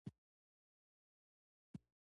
ګاندي جی د دوی روحاني پلار دی.